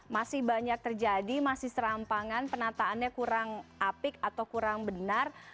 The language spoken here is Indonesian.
masih banyak terjadi masih serampangan penataannya kurang apik atau kurang benar